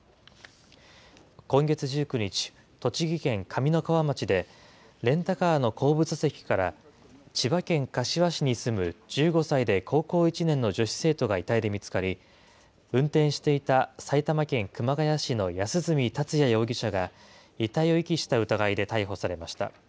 今月１９日、栃木県上三川町で、レンタカーの後部座席から、千葉県柏市に住む１５歳で高校１年の女子生徒が遺体で見つかり、運転していた埼玉県熊谷市の安栖達也容疑者が、遺体を遺棄した疑いで逮捕されました。